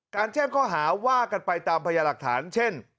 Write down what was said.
แจ้งข้อหาว่ากันไปตามพยาหลักฐานเช่น